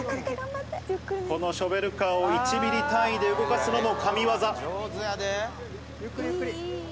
このショベルカーを１ミリ単位で動かすのも神技。